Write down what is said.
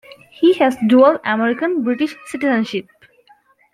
He has dual American-British citizenship.